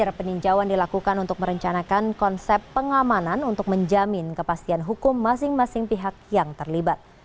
peninjauan dilakukan untuk merencanakan konsep pengamanan untuk menjamin kepastian hukum masing masing pihak yang terlibat